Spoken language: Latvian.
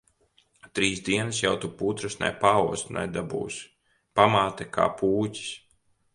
Trīs dienas jau tu putras ne paost nedabūsi. Pamāte kā pūķis.